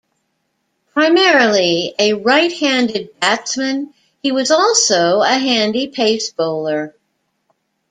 Primarily a right-handed batsman, he was also a handy pace bowler.